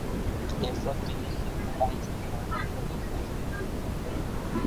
এরপর তিনি শিল্প কাউন্সিলের প্রশাসনিক কর্মকর্তা হিসেবে যোগ দেন।